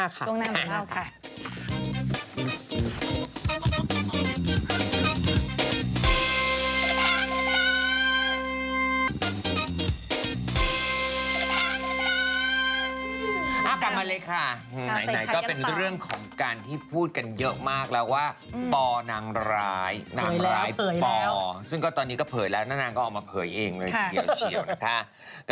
เอากลับมาเลยค่ะไหนก็เป็นเรื่องของการที่พูดกันเยอะมากแล้วว่าปอนางร้ายนางร้ายปอซึ่งก็ตอนนี้ก็เผยแล้วนะนางก็ออกมาเผยเองเลยทีเดียวเชียวนะคะ